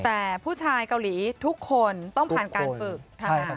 แต่ผู้ชายเกาหลีทุกคนต้องผ่านการฝึก